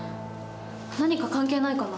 何か関係ないかな。